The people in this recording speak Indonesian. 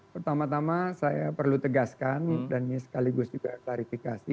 pertama tama saya perlu tegaskan dan ini sekaligus juga klarifikasi